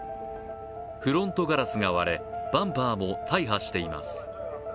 フロントガラスが割れバンパーも大破しています。